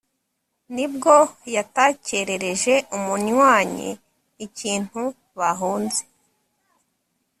nibwo yatakerereje umunywanyi ikintu bahunze.